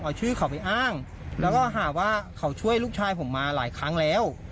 เอาชื่อเขาไปอ้างแล้วก็หาว่าเขาช่วยลูกชายผมมาหลายครั้งแล้ว